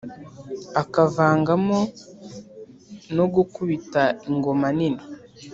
akavangamo no gukubita ingoma nini